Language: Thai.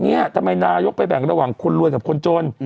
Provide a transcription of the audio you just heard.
ทำไมนายกไปแบ่งระหว่างคนรวยกับคนจน